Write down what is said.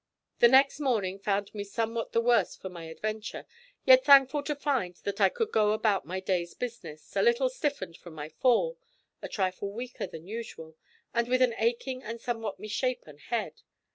The next morning found me somewhat the worse for my adventure, yet thankful to find that I could go about my day's business, a little stiffened from my fall, a trifle weaker than usual, and with an aching and somewhat misshapen head.